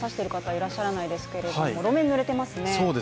いらっしゃらないですけれども路面ぬれてますね。